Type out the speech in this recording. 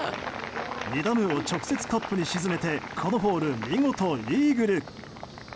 ２打目を直接カップに沈めてこのホール見事、イーグル。